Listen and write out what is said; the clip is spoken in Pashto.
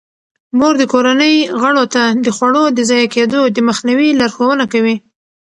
مور د کورنۍ غړو ته د خوړو د ضایع کیدو د مخنیوي لارښوونه کوي.